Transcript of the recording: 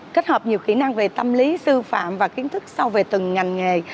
kết hợp nhiều kỹ năng về tâm lý sư phạm và kiến thức sâu về từng ngành nghề